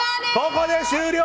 ここで終了！